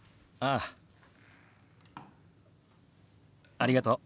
ありがとう。